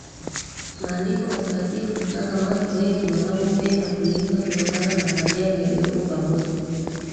Maandiko Matakatifu kama watu wengi wanavyopenda kuliita kutokana na maajabu yaliyopo pamoja